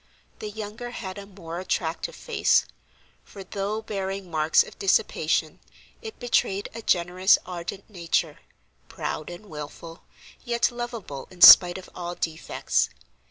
The younger had a more attractive face, for, though bearing marks of dissipation, it betrayed a generous, ardent nature, proud and wilful, yet lovable in spite of all defects.